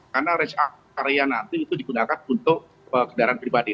karena res area nanti itu digunakan untuk kendaraan pribadi